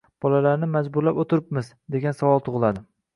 bolalarni majburlab o‘tiribmiz, degan savol tug‘iladi.